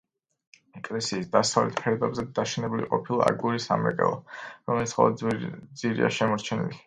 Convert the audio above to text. ეკლესიის დასავლეთ ფერდობზე დაშენებული ყოფილა აგურის სამრეკლო, რომლის მხოლოდ ძირია შემორჩენილი.